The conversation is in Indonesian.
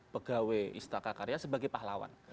tiga puluh satu pegawai istaka karya sebagai pahlawan